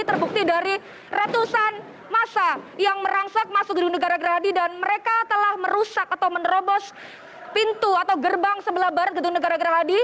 terbukti dari ratusan masa yang merangsak masuk gedung negara gerahadi dan mereka telah merusak atau menerobos pintu atau gerbang sebelah barat gedung negara gerahadi